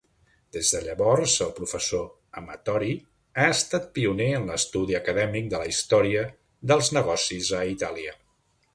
Des de llavors, el professor Amatori ha estat pioner en l'estudi acadèmic de la història dels negocis a Itàlia.